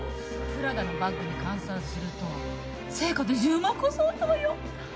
プラダのバッグに換算すると正価で１０万個相当よ。